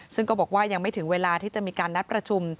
ซึ่งก็บอกว่ายังไม่ถึงเวลาที่จะมีการนัดประชุม